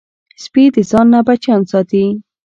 سپي د ځان نه بچیان ساتي.